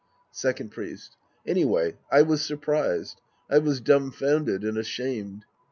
Second Priest. Anyway I was surprised. I was dumfounded and ashamed.